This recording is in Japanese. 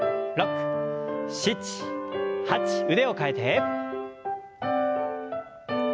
腕を替えて。